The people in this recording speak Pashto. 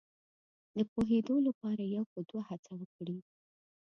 د پوهېدو لپاره یو په دوه هڅه وکړي.